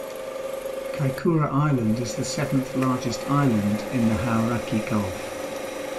Kaikoura Island is the seventh largest island in the Hauraki Gulf.